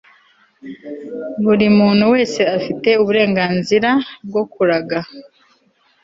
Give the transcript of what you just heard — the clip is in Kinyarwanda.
buri muntu wese afite uburenganzira bwo kuraga